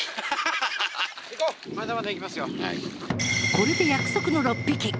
これで約束の６匹。